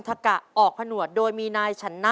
เจ้าชายศิษฐะทรงพนวทที่ริมฝั่งแม่น้ำใด